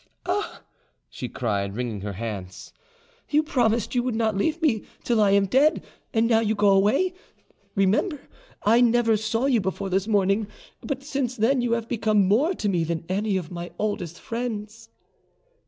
"Ah!" she cried, wringing her hands, "you promised you would not leave me till I am dead, and now you go away. Remember, I never saw you before this morning, but since then you have become more to me than any of my oldest friends."